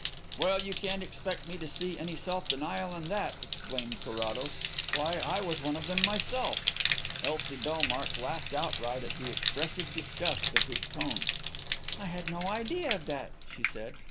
"Well, you can't expect me to see any self denial in that," exclaimed Carrados. "Why, I was one of them myself." Elsie Bellmark laughed outright at the expressive disgust of his tone. "I had no idea of that," she said.